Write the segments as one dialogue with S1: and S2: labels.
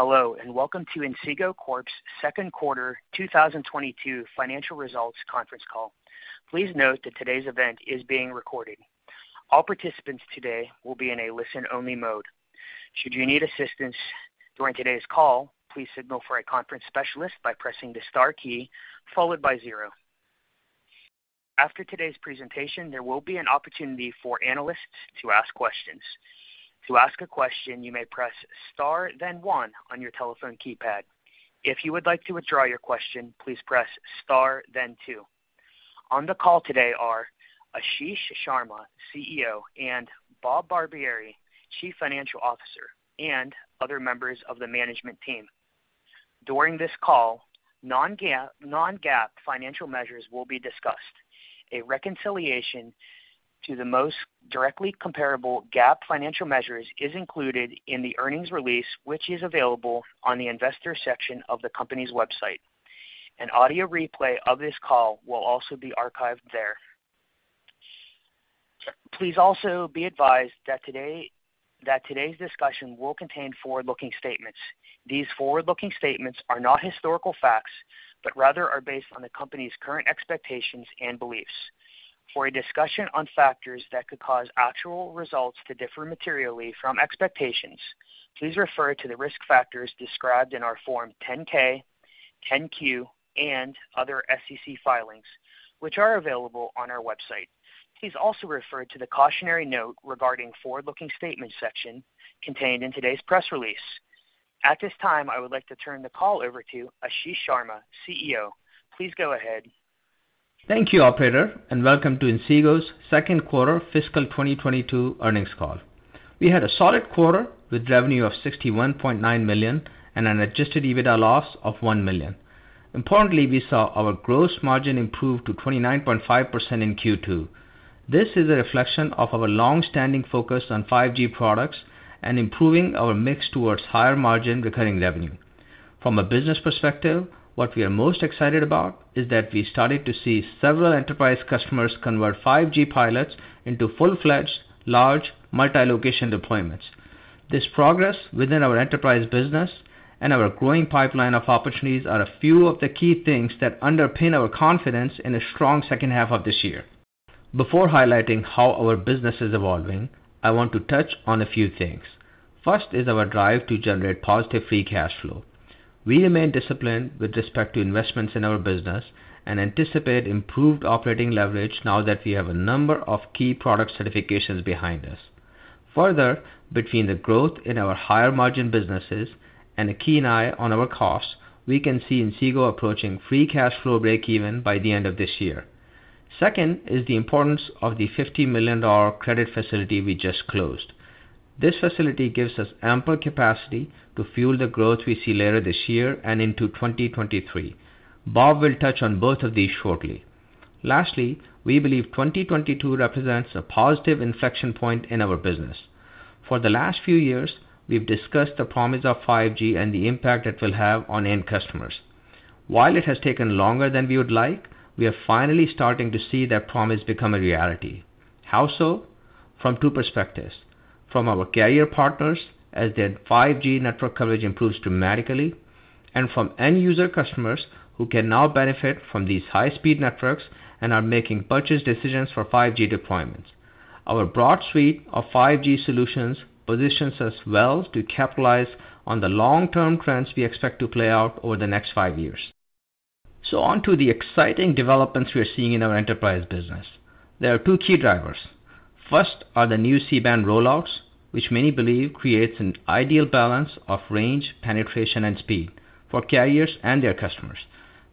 S1: Hello, and welcome to Inseego Corp.'s Second Quarter 2022 Financial Results Conference Call. Please note that today's event is being recorded. All participants today will be in a listen-only mode. Should you need assistance during today's call, please signal for a conference specialist by pressing the star key followed by zero. After today's presentation, there will be an opportunity for analysts to ask questions. To ask a question, you may press star then one on your telephone keypad. If you would like to withdraw your question, please press star then two. On the call today are Ashish Sharma, CEO, and Robert Barbieri, Chief Financial Officer, and other members of the management team. During this call, non-GAAP financial measures will be discussed. A reconciliation to the most directly comparable GAAP financial measures is included in the earnings release, which is available on the investor section of the company's website. An audio replay of this call will also be archived there. Please also be advised that today's discussion will contain forward-looking statements. These forward-looking statements are not historical facts, but rather are based on the company's current expectations and beliefs. For a discussion on factors that could cause actual results to differ materially from expectations, please refer to the risk factors described in our Form 10-K, 10-Q, and other SEC filings, which are available on our website. Please also refer to the cautionary note regarding forward-looking statement section contained in today's press release. At this time, I would like to turn the call over to Ashish Sharma, CEO. Please go ahead.
S2: Thank you, operator, and welcome to Inseego's Second Quarter Fiscal 2022 Earnings Call. We had a solid quarter with revenue of $61.9 million and an adjusted EBITDA loss of $1 million. Importantly, we saw our gross margin improve to 29.5% in Q2. This is a reflection of our long-standing focus on 5G products and improving our mix towards higher margin recurring revenue. From a business perspective, what we are most excited about is that we started to see several enterprise customers convert 5G pilots into full-fledged, large, multi-location deployments. This progress within our enterprise business and our growing pipeline of opportunities are a few of the key things that underpin our confidence in a strong second half of this year. Before highlighting how our business is evolving, I want to touch on a few things. First is our drive to generate positive free cash flow. We remain disciplined with respect to investments in our business and anticipate improved operating leverage now that we have a number of key product certifications behind us. Further, between the growth in our higher margin businesses and a keen eye on our costs, we can see Inseego approaching free cash flow break even by the end of this year. Second is the importance of the $50 million credit facility we just closed. This facility gives us ample capacity to fuel the growth we see later this year and into 2023. Bob will touch on both of these shortly. Lastly, we believe 2022 represents a positive inflection point in our business. For the last few years, we've discussed the promise of 5G and the impact it will have on end customers. While it has taken longer than we would like, we are finally starting to see that promise become a reality. How so? From two perspectives. From our carrier partners, as their 5G network coverage improves dramatically, and from end user customers who can now benefit from these high-speed networks and are making purchase decisions for 5G deployments. Our broad suite of 5G solutions positions us well to capitalize on the long-term trends we expect to play out over the next five years. On to the exciting developments we are seeing in our enterprise business. There are two key drivers. First are the new C-band rollouts, which many believe creates an ideal balance of range, penetration, and speed for carriers and their customers.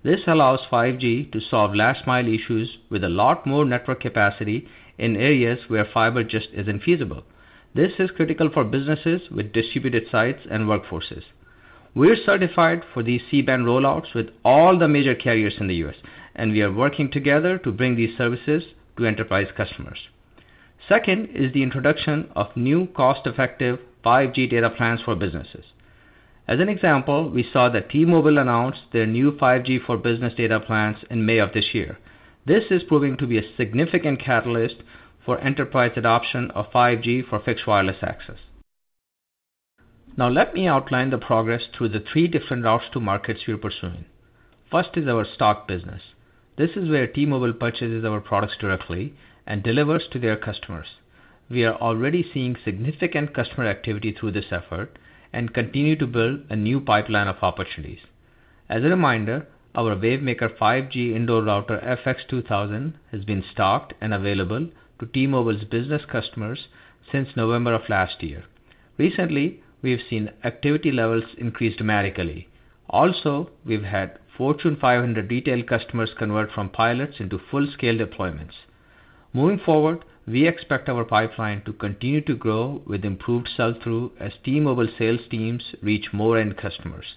S2: This allows 5G to solve last mile issues with a lot more network capacity in areas where fiber just isn't feasible. This is critical for businesses with distributed sites and workforces. We're certified for these C-band rollouts with all the major carriers in the U.S., and we are working together to bring these services to enterprise customers. Second is the introduction of new cost-effective 5G data plans for businesses. As an example, we saw that T-Mobile announced their new 5G for business data plans in May of this year. This is proving to be a significant catalyst for enterprise adoption of 5G for fixed wireless access. Now let me outline the progress through the three different routes to markets we are pursuing. First is our stock business. This is where T-Mobile purchases our products directly and delivers to their customers. We are already seeing significant customer activity through this effort and continue to build a new pipeline of opportunities. As a reminder, our Wavemaker 5G Indoor Router FX 2000 has been stocked and available to T-Mobile's business customers since November of last year. Recently, we have seen activity levels increase dramatically. Also, we've had Fortune 500 retail customers convert from pilots into full-scale deployments. Moving forward, we expect our pipeline to continue to grow with improved sell-through as T-Mobile sales teams reach more end customers.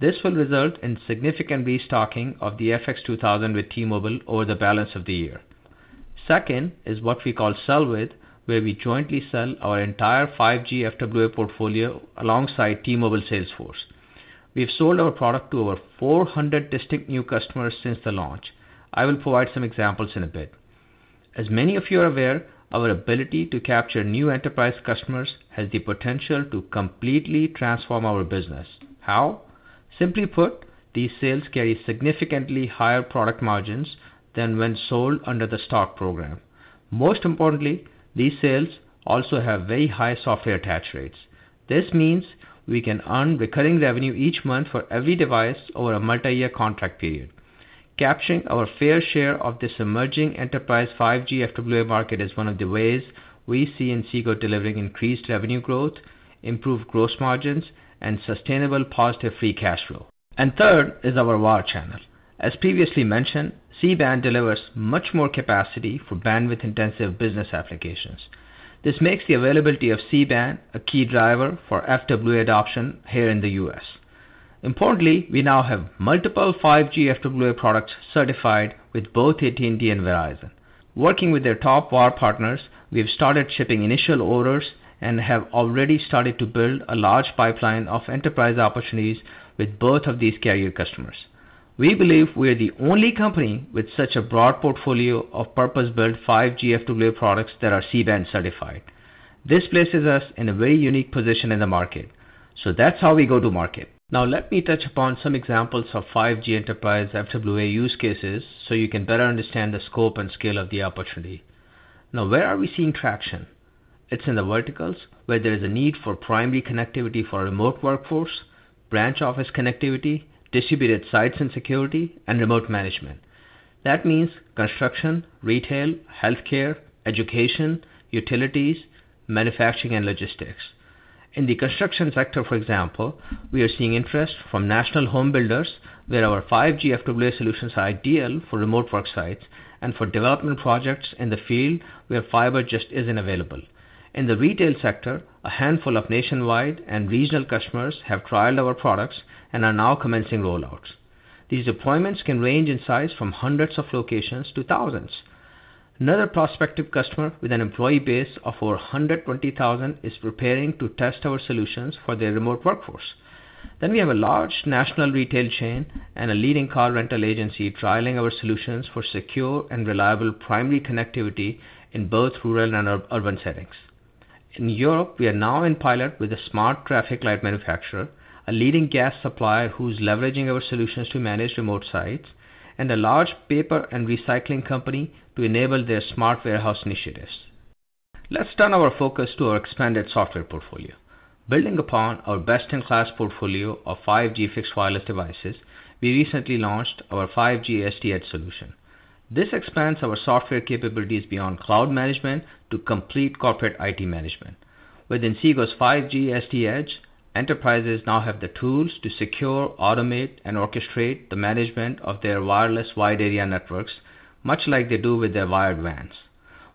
S2: This will result in significant restocking of the FX 2000 with T-Mobile over the balance of the year. Second is what we call "sell with," where we jointly sell our entire 5G FWA portfolio alongside T-Mobile sales force. We have sold our product to over 400 distinct new customers since the launch. I will provide some examples in a bit. As many of you are aware, our ability to capture new enterprise customers has the potential to completely transform our business. How? Simply put, these sales carry significantly higher product margins than when sold under the stock program. Most importantly, these sales also have very high software attach rates. This means we can earn recurring revenue each month for every device over a multi-year contract period. Capturing our fair share of this emerging enterprise 5G FWA market is one of the ways we see Inseego delivering increased revenue growth, improved gross margins and sustainable positive free cash flow. Third is our 5G channel. As previously mentioned, C-band delivers much more capacity for bandwidth intensive business applications. This makes the availability of C-band a key driver for FWA adoption here in the U.S. Importantly, we now have multiple 5G FWA products certified with both AT&T and Verizon. Working with their top wire partners, we have started shipping initial orders and have already started to build a large pipeline of enterprise opportunities with both of these carrier customers. We believe we are the only company with such a broad portfolio of purpose-built 5G FWA products that are C-band certified. This places us in a very unique position in the market. That's how we go to market. Now let me touch upon some examples of 5G enterprise FWA use cases so you can better understand the scope and scale of the opportunity. Now where are we seeing traction? It's in the verticals where there is a need for primary connectivity for remote workforce, branch office connectivity, distributed sites and security, and remote management. That means construction, retail, healthcare, education, utilities, manufacturing, and logistics. In the construction sector, for example, we are seeing interest from national home builders where our 5G FWA solutions are ideal for remote work sites and for development projects in the field where fiber just isn't available. In the retail sector, a handful of nationwide and regional customers have trialed our products and are now commencing rollouts. These deployments can range in size from hundreds of locations to thousands. Another prospective customer with an employee base of over 120,000 is preparing to test our solutions for their remote workforce. We have a large national retail chain and a leading car rental agency trialing our solutions for secure and reliable primary connectivity in both rural and urban settings. In Europe, we are now in pilot with a smart traffic light manufacturer, a leading gas supplier who's leveraging our solutions to manage remote sites, and a large paper and recycling company to enable their smart warehouse initiatives. Let's turn our focus to our expanded software portfolio. Building upon our best in class portfolio of 5G fixed wireless devices, we recently launched our 5G SD-EDGE solution. This expands our software capabilities beyond cloud management to complete corporate IT management. With Inseego's 5G SD-EDGE, enterprises now have the tools to secure, automate and orchestrate the management of their wireless wide area networks, much like they do with their wired WANs.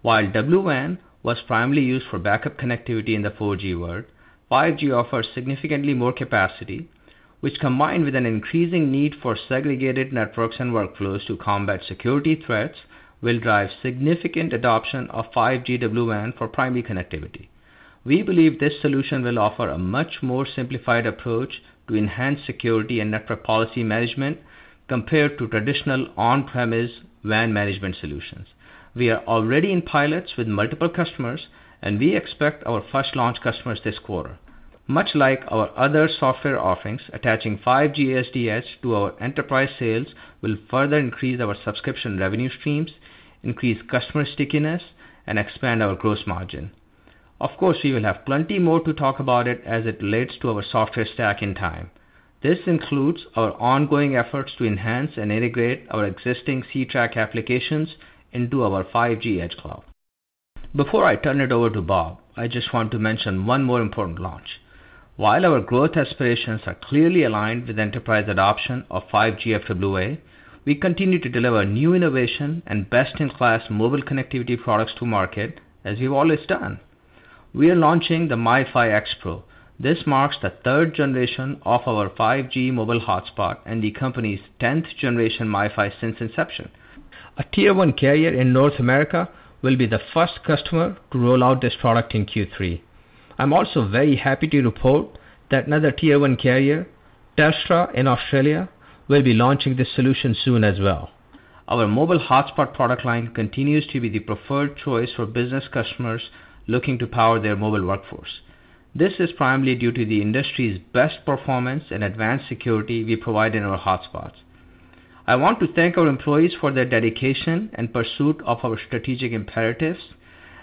S2: While WWAN was primarily used for backup connectivity in the 4G world, 5G offers significantly more capacity, which combined with an increasing need for segregated networks and workflows to combat security threats, will drive significant adoption of 5G WWAN for primary connectivity. We believe this solution will offer a much more simplified approach to enhance security and network policy management compared to traditional on-premise WAN management solutions. We are already in pilots with multiple customers, and we expect our first launch customers this quarter. Much like our other software offerings, attaching 5G SD-EDGE to our enterprise sales will further increase our subscription revenue streams, increase customer stickiness, and expand our gross margin. Of course, we will have plenty more to talk about it as it relates to our software stack in time. This includes our ongoing efforts to enhance and integrate our existing Ctrack applications into our 5G Edge cloud. Before I turn it over to Bob, I just want to mention one more important launch. While our growth aspirations are clearly aligned with enterprise adoption of 5G FWA, we continue to deliver new innovation and best in class mobile connectivity products to market as we've always done. We are launching the MiFi X PRO. This marks the third generation of our 5G mobile hotspot and the company's tenth generation MiFi since inception. A tier one carrier in North America will be the first customer to roll out this product in Q3. I'm also very happy to report that another tier one carrier, Telstra in Australia, will be launching this solution soon as well. Our mobile hotspot product line continues to be the preferred choice for business customers looking to power their mobile workforce. This is primarily due to the industry's best performance and advanced security we provide in our hotspots. I want to thank our employees for their dedication and pursuit of our strategic imperatives.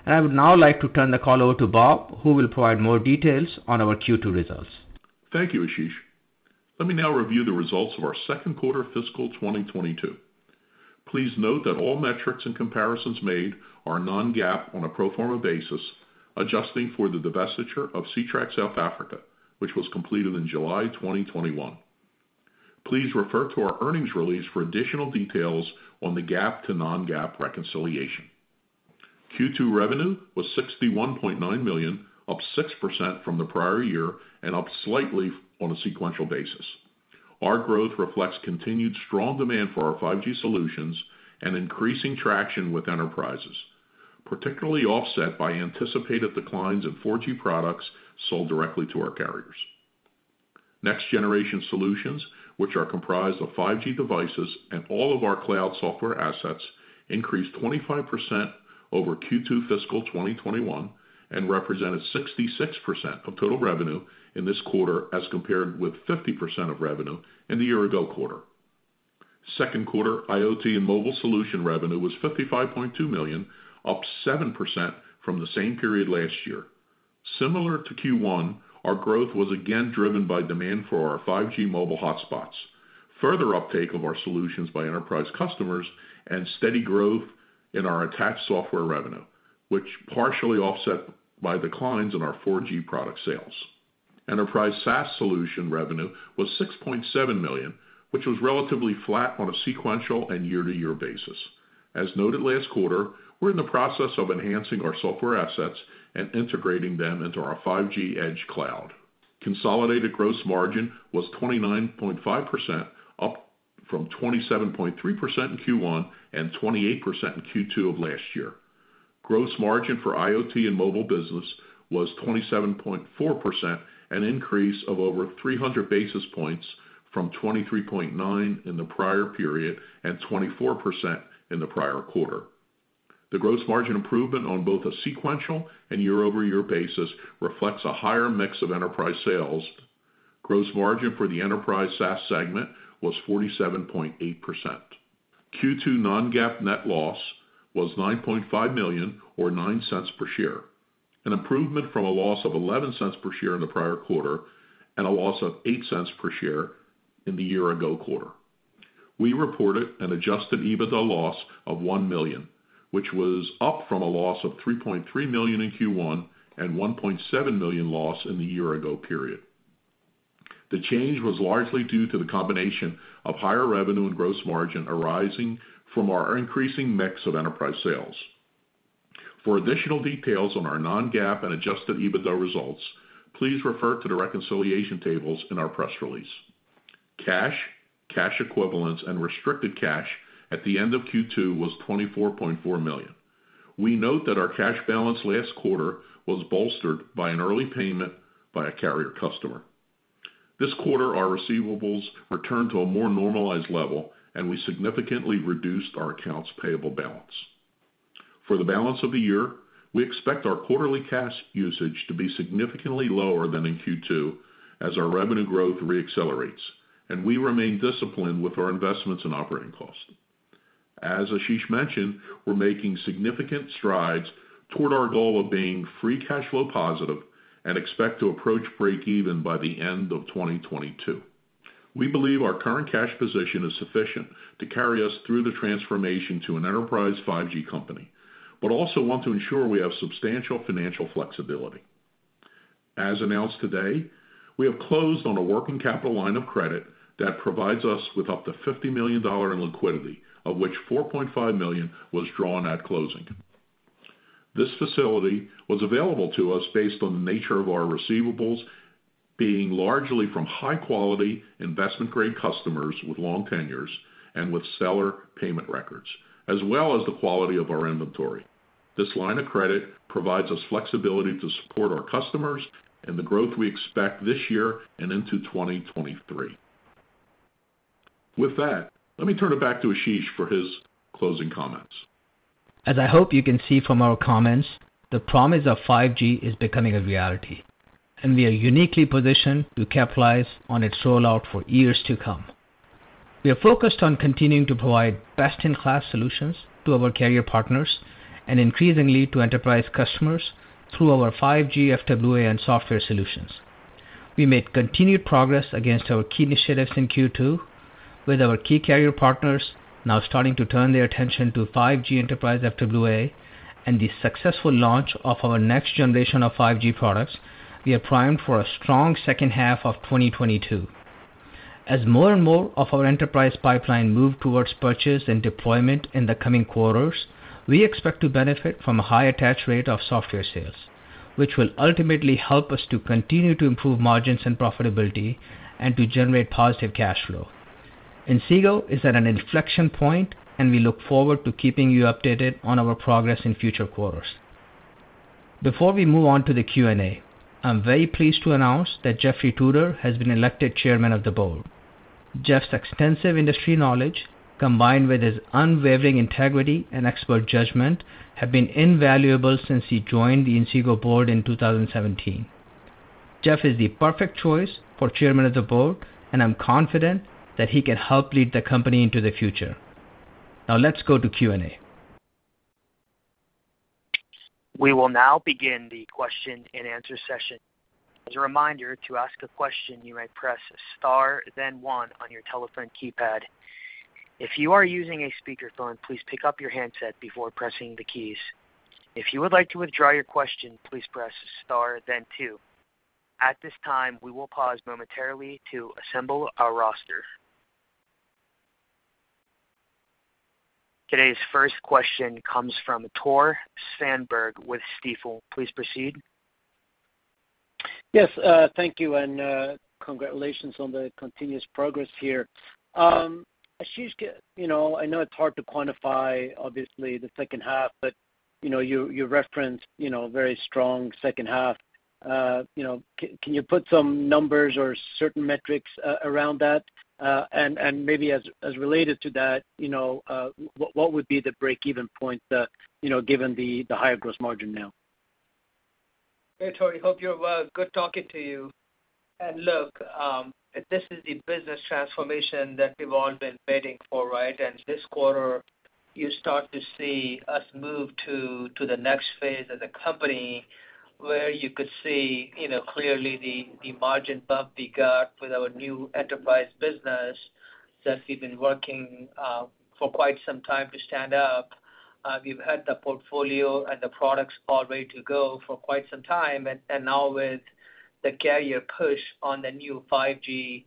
S2: I would now like to turn the call over to Bob, who will provide more details on our Q2 results.
S3: Thank you, Ashish. Let me now review the results of our second quarter of fiscal 2022. Please note that all metrics and comparisons made are non-GAAP on a pro forma basis, adjusting for the divestiture of Ctrack South Africa, which was completed in July 2021. Please refer to our earnings release for additional details on the GAAP to non-GAAP reconciliation. Q2 revenue was $61.9 million, up 6% from the prior year and up slightly on a sequential basis. Our growth reflects continued strong demand for our 5G solutions and increasing traction with enterprises, particularly offset by anticipated declines in 4G products sold directly to our carriers. Next-generation solutions, which are comprised of 5G devices and all of our cloud software assets, increased 25% over Q2 fiscal 2021, and represented 66% of total revenue in this quarter as compared with 50% of revenue in the year ago quarter. Second quarter IoT and mobile solution revenue was $55.2 million, up 7% from the same period last year. Similar to Q1, our growth was again driven by demand for our 5G mobile hotspots, further uptake of our solutions by enterprise customers, and steady growth in our attached software revenue, which partially offset by declines in our 4G product sales. Enterprise SaaS solution revenue was $6.7 million, which was relatively flat on a sequential and year-to-year basis. As noted last quarter, we're in the process of enhancing our software assets and integrating them into our 5G edge cloud. Consolidated gross margin was 29.5%, up from 27.3% in Q1 and 28% in Q2 of last year. Gross margin for IoT and mobile business was 27.4%, an increase of over 300 basis points from 23.9 in the prior period and 24% in the prior quarter. The gross margin improvement on both a sequential and year-over-year basis reflects a higher mix of enterprise sales. Gross margin for the enterprise SaaS segment was 47.8%. Q2 non-GAAP net loss was $9.5 million or $0.09 per share, an improvement from a loss of $0.11 per share in the prior quarter and a loss of $0.08 per share in the year ago quarter. We reported an adjusted EBITDA loss of $1 million, which was up from a loss of $3.3 million in Q1 and $1.7 million loss in the year ago period. The change was largely due to the combination of higher revenue and gross margin arising from our increasing mix of enterprise sales. For additional details on our non-GAAP and adjusted EBITDA results, please refer to the reconciliation tables in our press release. Cash, cash equivalents, and restricted cash at the end of Q2 was $24.4 million. We note that our cash balance last quarter was bolstered by an early payment by a carrier customer. This quarter, our receivables returned to a more normalized level, and we significantly reduced our accounts payable balance. For the balance of the year, we expect our quarterly cash usage to be significantly lower than in Q2 as our revenue growth re-accelerates, and we remain disciplined with our investments in operating costs. As Ashish mentioned, we're making significant strides toward our goal of being free cash flow positive and expect to approach breakeven by the end of 2022. We believe our current cash position is sufficient to carry us through the transformation to an enterprise 5G company, but also want to ensure we have substantial financial flexibility. As announced today, we have closed on a working capital line of credit that provides us with up to $50 million in liquidity, of which $4.5 million was drawn at closing. This facility was available to us based on the nature of our receivables being largely from high-quality investment-grade customers with long tenures and with stellar payment records, as well as the quality of our inventory. This line of credit provides us flexibility to support our customers and the growth we expect this year and into 2023. With that, let me turn it back to Ashish for his closing comments.
S2: As I hope you can see from our comments, the promise of 5G is becoming a reality, and we are uniquely positioned to capitalize on its rollout for years to come. We are focused on continuing to provide best-in-class solutions to our carrier partners and increasingly to enterprise customers through our 5G FWA and software solutions. We made continued progress against our key initiatives in Q2 with our key carrier partners now starting to turn their attention to 5G enterprise FWA and the successful launch of our next generation of 5G products. We are primed for a strong second half of 2022. As more and more of our enterprise pipeline move towards purchase and deployment in the coming quarters, we expect to benefit from a high attach rate of software sales, which will ultimately help us to continue to improve margins and profitability and to generate positive cash flow. Inseego is at an inflection point, and we look forward to keeping you updated on our progress in future quarters. Before we move on to the Q&A, I'm very pleased to announce that Jeffrey Tuder has been elected Chairman of the Board. Jeff's extensive industry knowledge, combined with his unwavering integrity and expert judgment, have been invaluable since he joined the Inseego board in 2017. Jeff is the perfect choice for Chairman of the Board, and I'm confident that he can help lead the company into the future. Now let's go to Q&A.
S1: We will now begin the question-and-answer session. As a reminder, to ask a question, you may press star then one on your telephone keypad. If you are using a speakerphone, please pick up your handset before pressing the keys. If you would like to withdraw your question, please press star then two. At this time, we will pause momentarily to assemble our roster. Today's first question comes from Tore Svanberg with Stifel. Please proceed.
S4: Yes, thank you, and congratulations on the continuous progress here. Ashish, you know, I know it's hard to quantify obviously the second half, but you know, you reference, you know, very strong second half. You know, can you put some numbers or certain metrics around that? Maybe as related to that, you know, what would be the break-even point that, you know, given the higher gross margin now?
S2: Hey, Tore Svanberg, hope you're well. Good talking to you. Look, this is the business transformation that we've all been waiting for, right? This quarter, you start to see us move to the next phase of the company, where you could see, you know, clearly the margin bump we got with our new enterprise business that we've been working for quite some time to stand up. We've had the portfolio and the products all ready to go for quite some time. And now with the carrier push on the new 5G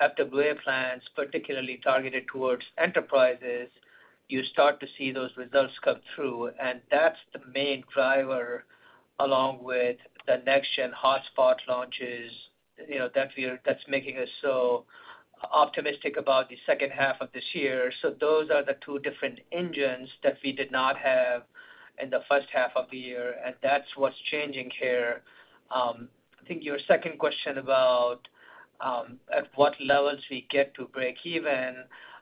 S2: FWA plans, particularly targeted towards enterprises, you start to see those results come through. That's the main driver, along with the next gen hotspot launches, you know, that's making us so optimistic about the second half of this year. Those are the two different engines that we did not have in the first half of the year, and that's what's changing here. I think your second question about, at what levels we get to breakeven,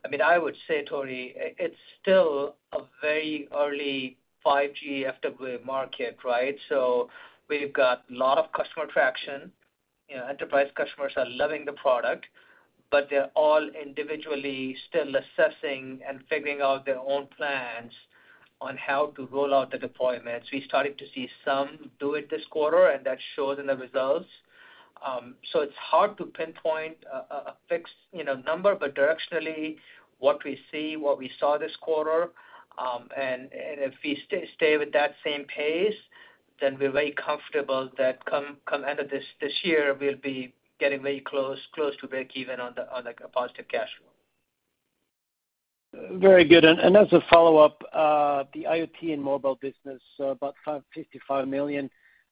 S2: I mean, I would say, Tore, it's still a very early 5G FWA market, right? We've got a lot of customer traction. You know, enterprise customers are loving the product, but they're all individually still assessing and figuring out their own plans on how to roll out the deployments. We started to see some do it this quarter, and that shows in the results. It's hard to pinpoint a fixed, you know, number, but directionally, what we see, what we saw this quarter, and if we stay with that same pace, then we're very comfortable that come end of this year, we'll be getting very close to breakeven on the positive cash flow.
S4: Very good. As a follow-up, the IoT and mobile business, so about $55 million.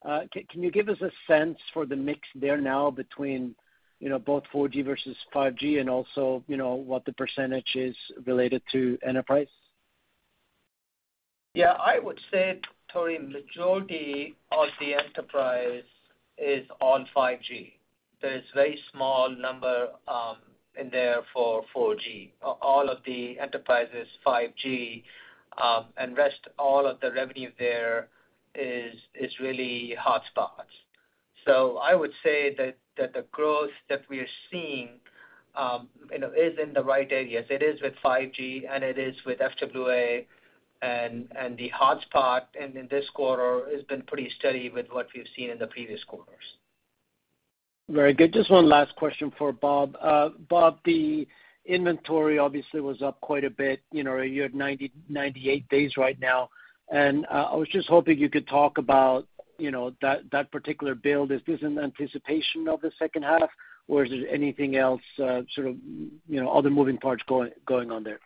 S4: Can you give us a sense for the mix there now between, you know, both 4G versus 5G and also, you know, what the percentage is related to enterprise?
S2: Yeah. I would say, Tore, majority of the enterprise is on 5G. There's very small number in there for 4G. All of the enterprise is 5G, and rest all of the revenue there is really hotspots. I would say that the growth that we are seeing, you know, is in the right areas. It is with 5G, and it is with FWA and the hotspot, and in this quarter has been pretty steady with what we've seen in the previous quarters.
S4: Very good. Just one last question for Bob. Bob, the inventory obviously was up quite a bit. You know, you're at 98 days right now. I was just hoping you could talk about, you know, that particular build. Is this in anticipation of the second half, or is there anything else, you know, sort of, other moving parts going on there?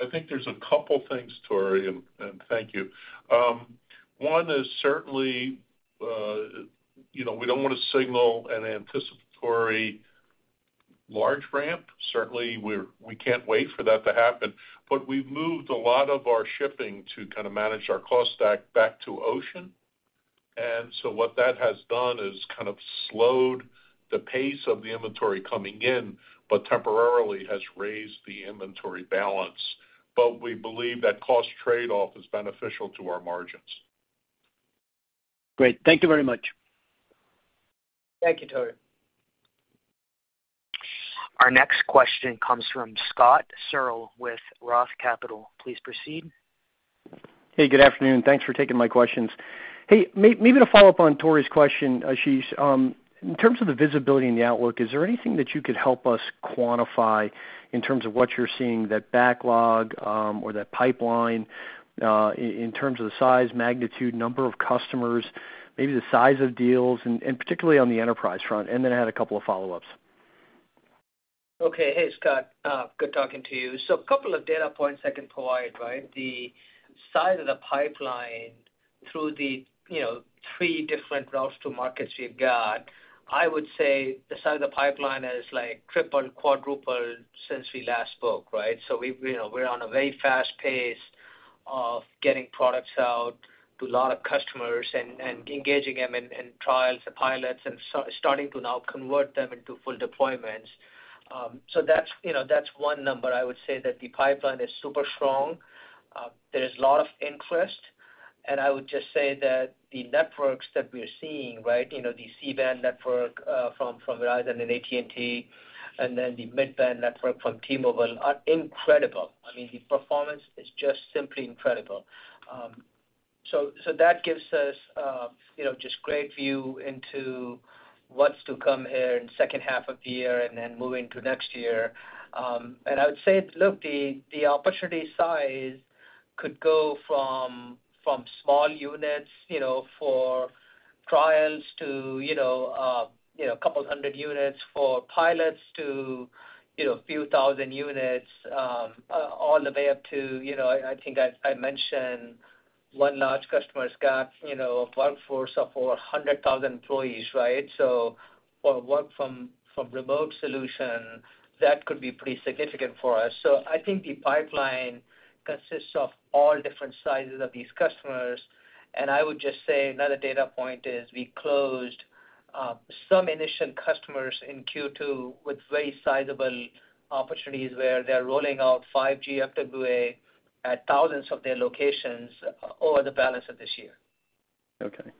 S3: I think there's a couple things, Tore, and thank you. One is certainly you know, we don't wanna signal an anticipatory large ramp. Certainly, we can't wait for that to happen. We've moved a lot of our shipping to kind of manage our cost stack back to ocean. What that has done is kind of slowed the pace of the inventory coming in, but temporarily has raised the inventory balance. We believe that cost trade-off is beneficial to our margins.
S4: Great. Thank you very much.
S2: Thank you, Tore.
S1: Our next question comes from Scott Searle with Roth Capital. Please proceed.
S5: Good afternoon. Thanks for taking my questions. Maybe to follow up on Tore's question, Ashish, in terms of the visibility in the outlook, is there anything that you could help us quantify in terms of what you're seeing that backlog, or that pipeline, in terms of the size, magnitude, number of customers, maybe the size of deals, and particularly on the enterprise front? Then I had a couple of follow-ups.
S2: Okay. Hey, Scott, good talking to you. A couple of data points I can provide, right? The size of the pipeline through the, you know, three different routes to markets we've got, I would say the size of the pipeline is, like, tripled, quadrupled since we last spoke, right? We, you know, we're on a very fast pace of getting products out to a lot of customers and engaging them in trials and pilots and starting to now convert them into full deployments. That's, you know, that's one number I would say that the pipeline is super strong. There's a lot of interest, and I would just say that the networks that we are seeing, right, you know, the C-band network from Verizon and AT&T, and then the mid-band network from T-Mobile are incredible. I mean, the performance is just simply incredible. So that gives us, you know, just great view into what's to come here in second half of the year and then moving to next year. I would say, look, the opportunity size could go from small units, you know, for trials to, you know, a couple hundred units for pilots to, you know, a few thousand units, all the way up to, you know, I think I mentioned one large customer's got, you know, a workforce of over 100,000 employees, right? So, our work-from-remote solution, that could be pretty significant for us. I think the pipeline consists of all different sizes of these customers. I would just say another data point is we closed some initial customers in Q2 with very sizable opportunities where they're rolling out 5G FWA at thousands of their locations over the balance of this year.
S5: Okay.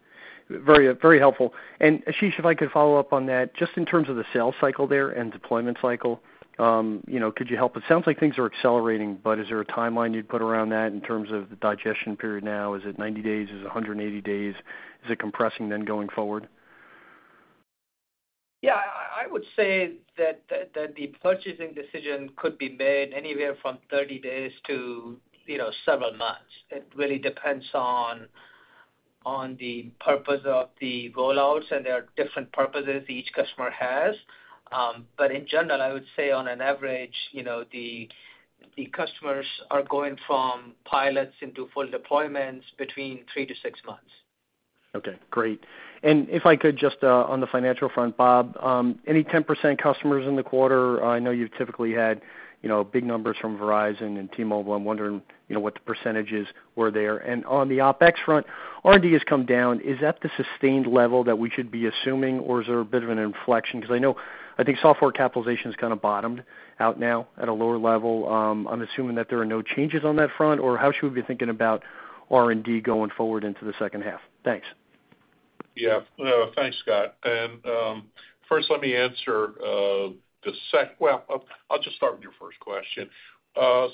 S5: Very, very helpful. Ashish, if I could follow up on that, just in terms of the sales cycle there and deployment cycle, you know, could you help? It sounds like things are accelerating, but is there a timeline you'd put around that in terms of the digestion period now? Is it 90 days? Is it 180 days? Is it compressing then going forward?
S2: Yeah. I would say that the purchasing decision could be made anywhere from 30 days to, you know, several months. It really depends on the purpose of the rollouts, and there are different purposes each customer has. In general, I would say on an average, you know, the customers are going from pilots into full deployments between 3-6 months.
S5: Okay, great. If I could just on the financial front, Bob, any 10% customers in the quarter? I know you typically had, you know, big numbers from Verizon and T-Mobile. I'm wondering, you know, what the percentages were there. On the OpEx front, R&D has come down. Is that the sustained level that we should be assuming, or is there a bit of an inflection? Because I know, I think software capitalization's kinda bottomed out now at a lower level. I'm assuming that there are no changes on that front, or how should we be thinking about R&D going forward into the second half? Thanks.
S3: Yeah. No, thanks, Scott. First, let me answer. Well, I'll just start with your first question.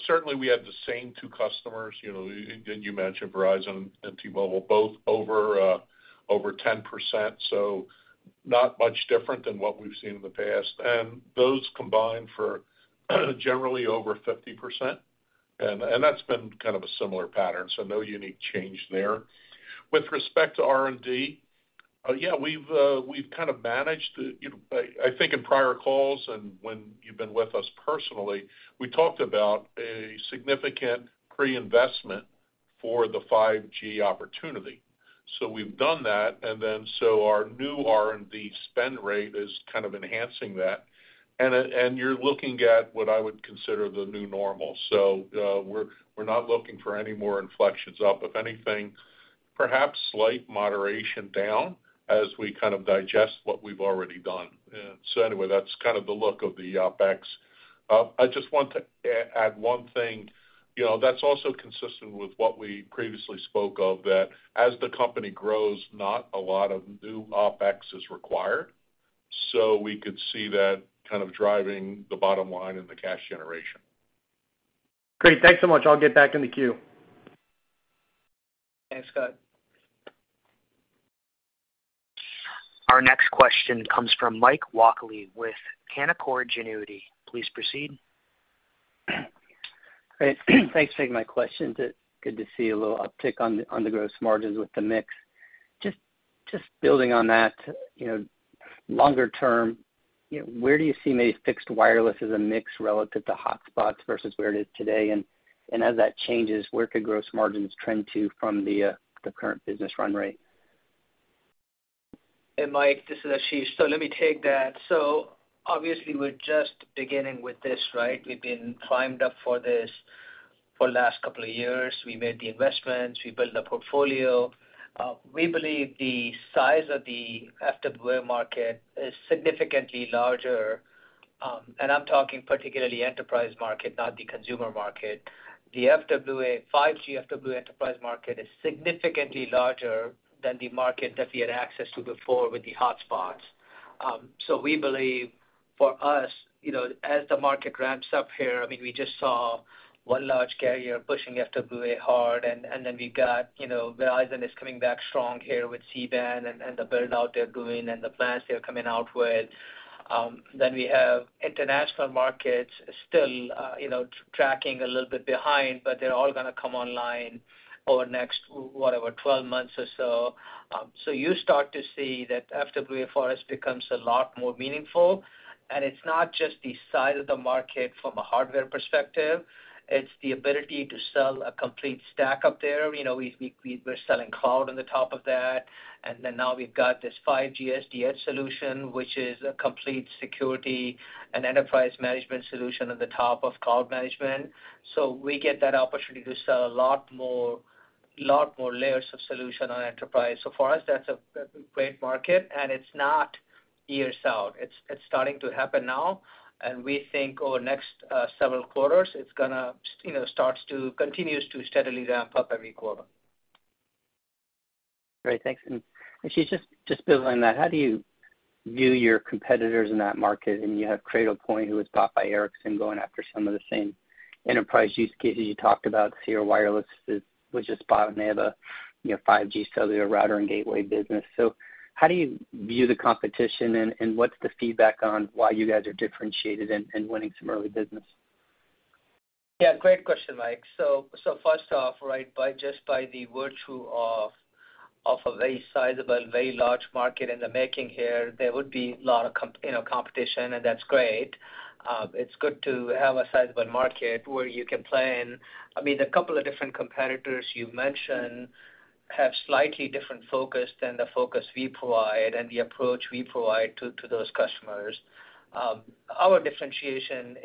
S3: Certainly, we have the same two customers, you know, and you mentioned Verizon and T-Mobile, both over 10%, so not much different than what we've seen in the past. Those combined for generally over 50%. That's been kind of a similar pattern, so no unique change there. With respect to R&D, yeah, we've kind of managed, you know. I think in prior calls and when you've been with us personally, we talked about a significant pre-investment for the 5G opportunity. We've done that, and then our new R&D spend rate is kind of enhancing that. You're looking at what I would consider the new normal. We're not looking for any more inflections up. If anything, perhaps slight moderation down as we kind of digest what we've already done. Anyway, that's kind of the look of the OpEx. I just want to add one thing. You know, that's also consistent with what we previously spoke of, that as the company grows, not a lot of new OpEx is required. We could see that kind of driving the bottom line in the cash generation.
S5: Great. Thanks so much. I'll get back in the queue.
S2: Thanks, Scott.
S1: Our next question comes from Mike Walkley with Canaccord Genuity. Please proceed.
S6: Great. Thanks for taking my question. Good to see a little uptick on the gross margins with the mix. Just building on that, you know, longer term, you know, where do you see maybe fixed wireless as a mix relative to hotspots versus where it is today? As that changes, where could gross margins trend to from the current business run rate?
S2: Hey, Mike, this is Ashish. Let me take that. Obviously we're just beginning with this, right? We've been primed up for this for the last couple of years. We made the investments, we built the portfolio. We believe the size of the FWA market is significantly larger, and I'm talking particularly enterprise market, not the consumer market. The FWA, 5G FWA enterprise market is significantly larger than the market that we had access to before with the hotspots. We believe for us, you know, as the market ramps up here, I mean, we just saw one large carrier pushing FWA hard and then we've got, you know, Verizon is coming back strong here with C-band and the build-out they're doing and the plans they're coming out with. We have international markets still, you know, tracking a little bit behind, but they're all gonna come online over the next, whatever, 12 months or so. You start to see that FWA for us becomes a lot more meaningful. It's not just the size of the market from a hardware perspective, it's the ability to sell a complete stack up there. You know, we're selling cloud on top of that. Now we've got this 5G SD-EDGE solution, which is a complete security and enterprise management solution at the top of cloud management. We get that opportunity to sell a lot more layers of solution on enterprise. For us, that's a great market, and it's not years out. It's starting to happen now. We think over the next several quarters, it's gonna, you know, continues to steadily ramp up every quarter.
S6: Great. Thanks. Ashish, just building on that, how do you view your competitors in that market? I mean, you have Cradlepoint, who was bought by Ericsson, going after some of the same enterprise use cases you talked about. Sierra Wireless was just bought, and they have a, you know, 5G cellular router and gateway business. How do you view the competition, and what's the feedback on why you guys are differentiated and winning some early business?
S2: Yeah, great question, Mike. First off, right, by just the virtue of a very sizable, very large market in the making here, there would be a lot of competition, and that's great. It's good to have a sizable market where you can play in. I mean, the couple of different competitors you've mentioned have slightly different focus than the focus we provide and the approach we provide to those customers. Our differentiation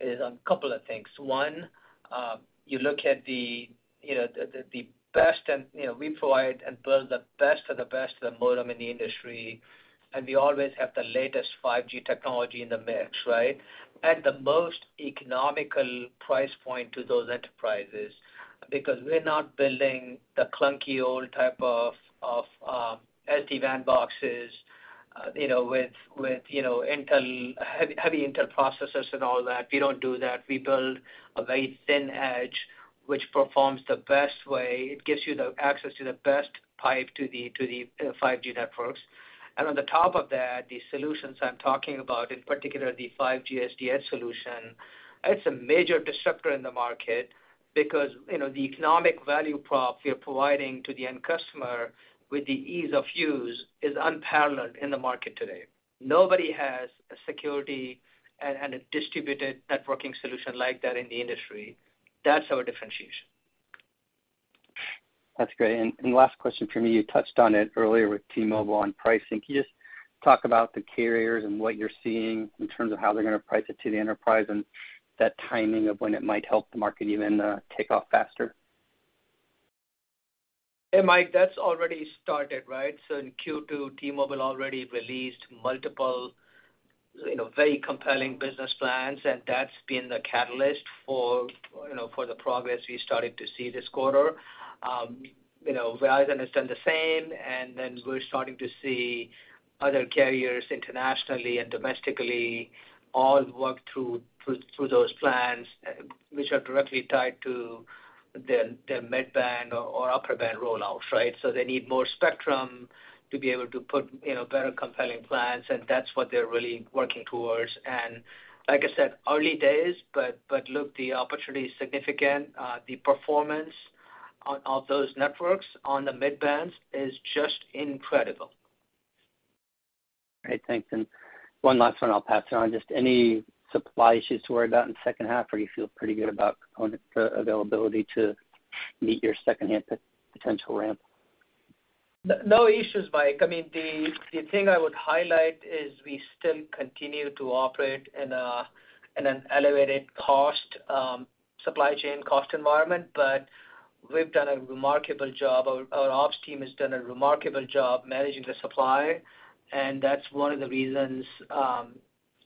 S2: is on couple of things. One, you look at the best and we provide and build the best of the best modem in the industry, and we always have the latest 5G technology in the mix, right? At the most economical price point to those enterprises because we're not building the clunky old type of LTE WAN boxes, you know, with heavy Intel processors and all that. We don't do that. We build a very thin edge which performs the best way. It gives you the access to the best pipe to the 5G networks. On the top of that, the solutions I'm talking about, in particular the 5G SD-EDGE solution, it's a major disruptor in the market because, you know, the economic value prop we are providing to the end customer with the ease of use is unparalleled in the market today. Nobody has a security and a distributed networking solution like that in the industry. That's our differentiation.
S6: That's great. Last question from me, you touched on it earlier with T-Mobile on pricing. Can you just talk about the carriers and what you're seeing in terms of how they're gonna price it to the enterprise and that timing of when it might help the market even take off faster?
S2: Hey, Mike, that's already started, right? In Q2, T-Mobile already released multiple, you know, very compelling business plans, and that's been the catalyst for, you know, for the progress we started to see this quarter. You know, Verizon has done the same, and then we're starting to see other carriers internationally and domestically all work through those plans, which are directly tied to the mid-band or upper band rollouts, right? They need more spectrum to be able to put, you know, better compelling plans, and that's what they're really working towards. Like I said, early days, but look, the opportunity is significant. The performance of those networks on the mid-band is just incredible.
S6: Great. Thanks. One last one I'll pass on. Just any supply issues to worry about in the second half, or you feel pretty good about component availability to meet your second half potential ramp?
S2: No issues, Mike. I mean, the thing I would highlight is we still continue to operate in an elevated cost supply chain cost environment, but we've done a remarkable job. Our ops team has done a remarkable job managing the supply, and that's one of the reasons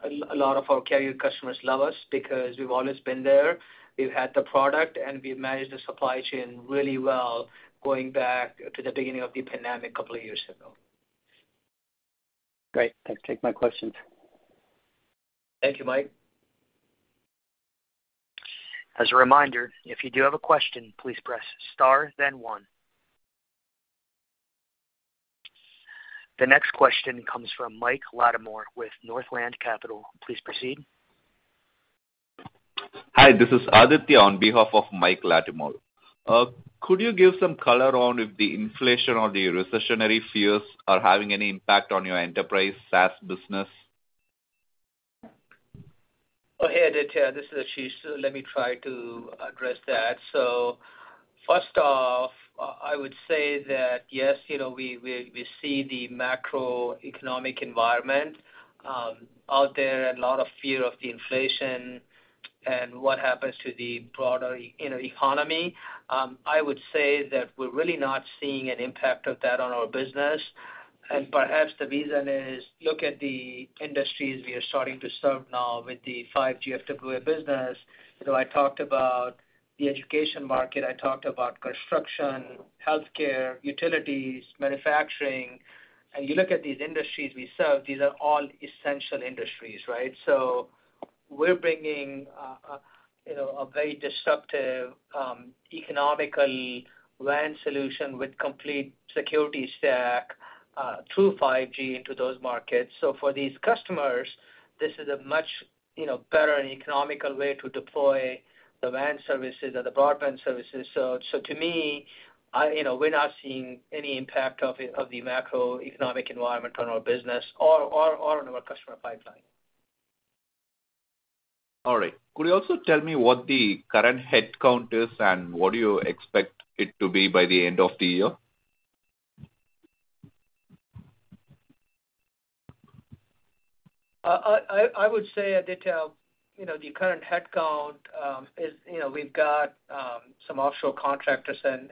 S2: a lot of our carrier customers love us because we've always been there, we've had the product, and we've managed the supply chain really well going back to the beginning of the pandemic couple of years ago.
S6: Great. That takes my questions.
S2: Thank you, Mike.
S1: As a reminder, if you do have a question, please press star then one. The next question comes from Mike Latimore with Northland Capital. Please proceed.
S7: Hi, this is Aditya on behalf of Michael Latimore. Could you give some color on if the inflation or the recessionary fears are having any impact on your enterprise SaaS business?
S2: Oh, hey, Aditya. This is Ashish. Let me try to address that. First off, I would say that, yes, you know, we see the macroeconomic environment out there and a lot of fear of the inflation and what happens to the broader economy. I would say that we're really not seeing an impact of that on our business. Perhaps the reason is, look at the industries we are starting to serve now with the 5G FWA business. You know, I talked about the education market, I talked about construction, healthcare, utilities, manufacturing. You look at these industries we serve, these are all essential industries, right? We're bringing, you know, a very disruptive, economical WAN solution with complete security stack, through 5G into those markets. For these customers, this is a much, you know, better and economical way to deploy the WAN services or the broadband services. To me, I, you know, we're not seeing any impact of the macroeconomic environment on our business or on our customer pipeline.
S7: All right. Could you also tell me what the current headcount is, and what do you expect it to be by the end of the year?
S2: I would say, Aditya, you know, the current headcount is, you know, we've got some offshore contractors and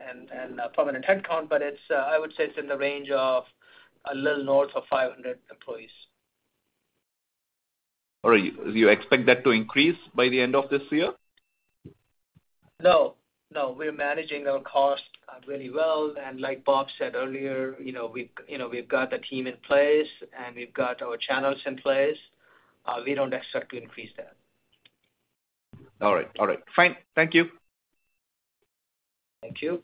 S2: permanent headcount, but I would say it's in the range of a little north of 500 employees.
S7: All right. Do you expect that to increase by the end of this year?
S2: No. No, we are managing our cost really well. Like Bob said earlier, you know, we've got the team in place, and we've got our channels in place. We don't expect to increase that.
S7: All right. Fine. Thank you.
S2: Thank you.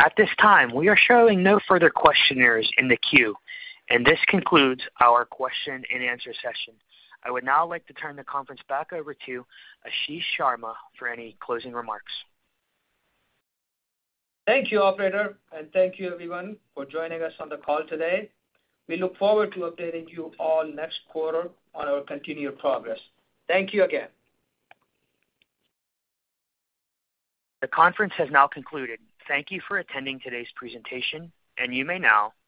S1: At this time, we are showing no further questionnaires in the queue, and this concludes our question and answer session. I would now like to turn the conference back over to Ashish Sharma for any closing remarks.
S2: Thank you, operator, and thank you everyone for joining us on the call today. We look forward to updating you all next quarter on our continued progress. Thank you again.
S1: The conference has now concluded. Thank you for attending today's presentation, and you may now disconnect.